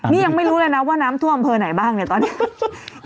นี่ยังไม่รู้เลยนะว่าน้ำท่วมอำเภอไหนบ้างเนี่ยตอนนี้